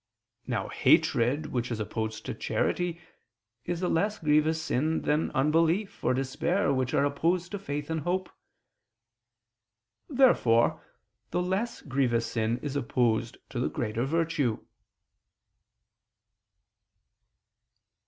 Now hatred which is opposed to charity is a less grievous sin than unbelief or despair which are opposed to faith and hope. Therefore the less grievous sin is opposed to the greater virtue.